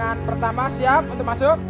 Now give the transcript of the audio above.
pemeriksaan pertama siap untuk masuk